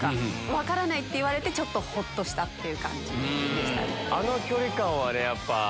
分からないって言われてちょっとほっとしたって感じ。